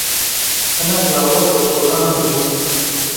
Hinek lawir li kolanan dijîn.